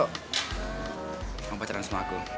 kamu pacaran sama aku